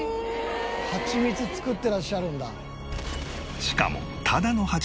ハチミツ作ってらっしゃるんだ。